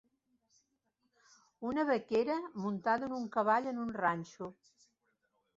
Una vaquera muntada en un cavall en un ranxo.